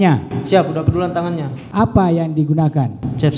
apa yang digunakan